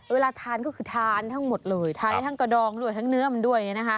เวลาทานก็คือทานทั้งหมดเลยทานทั้งกระดองด้วยทั้งเนื้อมันด้วย